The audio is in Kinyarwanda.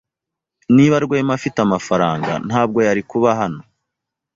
Niba Rwema afite amafaranga, ntabwo yari kuba hano.